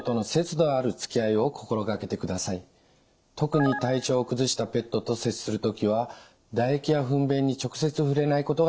特に体調を崩したペットと接する時は唾液やふん便に直接触れないことが重要です。